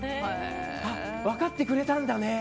あ、分かってくれたんだね！